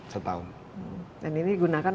setahun dan ini digunakan